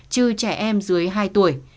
chứ trẻ em dưới hai tuổi